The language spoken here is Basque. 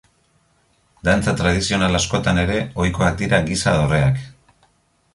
Dantza tradizional askotan ere ohikoak dira giza dorreak.